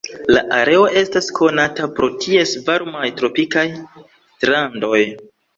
La areo estas konata pro ties varmaj tropikaj strandoj.